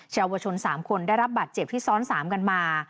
เยาวชน๓คนได้รับบาดเจ็บที่ซ้อน๓กันมา